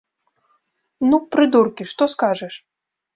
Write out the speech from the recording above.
Ну, прыдуркі, што скажаш!